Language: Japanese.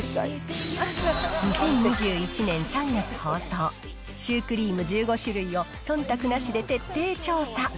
２０２１年３月放送、シュークリーム１５種類をそんたくなしで徹底調査。